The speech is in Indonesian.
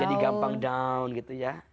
jadi gampang down gitu ya